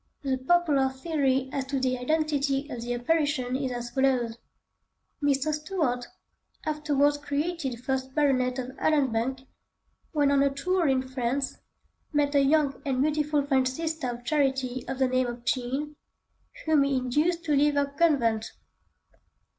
The popular theory as to the identity of the apparition is as follows:— Mr. Stuart, afterwards created first baronet of Allanbank, when on a tour in France, met a young and beautiful French Sister of Charity of the name of Jean, whom he induced to leave her convent.